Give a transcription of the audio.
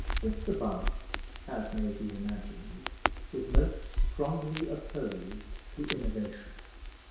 Mr Bunce, as may be imagined, was most strongly opposed to innovation.